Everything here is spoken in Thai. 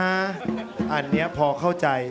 อันนี้พอเข้าใจ